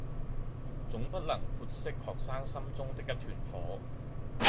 總不能潑熄學生心中的一團火